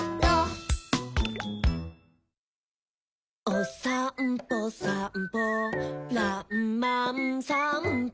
「おさんぽさんぽらんまんさんぽ」